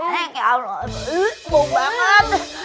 neng ya allah bau banget